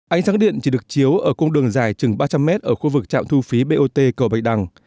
ánh sáng điện chỉ được chiếu ở cung đường dài chừng ba trăm linh mét ở khu vực trạm thu phí bot cầu bạch đằng